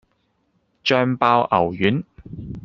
爆醬牛丸